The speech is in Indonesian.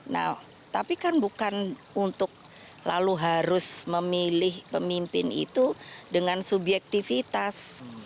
nah tapi kan bukan untuk lalu harus memilih pemimpin itu dengan subjektivitas